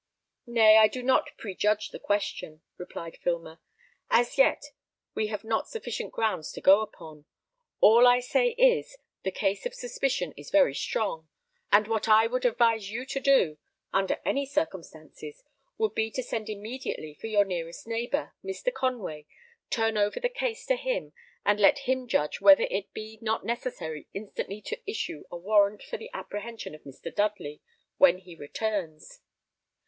"Nay, I do not prejudge the question," replied Filmer. "As yet we have not sufficient grounds to go upon. All I say is, the case of suspicion is very strong; and what I would advise you to do, under any circumstances, would be to send immediately for your nearest neighbour, Mr. Conway, turn over the case to him, and let him judge whether it be not necessary instantly to issue a warrant for the apprehension of Mr. Dudley, when he returns.